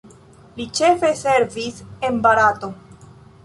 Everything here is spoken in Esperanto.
Li ĉefe servis en Barato.